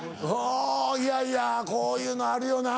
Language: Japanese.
いやいやこういうのあるよな。